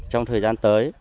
trong thời gian tới